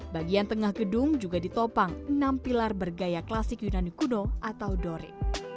bagian tengah gedung juga ditopang enam pilar bergaya klasik yunani kuno atau dore